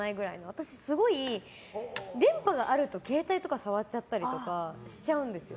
私、すごい電波があると携帯とか触っちゃったりとかしちゃうんですよ。